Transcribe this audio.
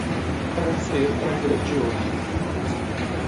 Para ser um grandioso